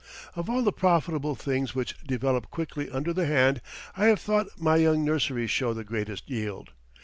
Of all the profitable things which develop quickly under the hand, I have thought my young nurseries show the greatest yield.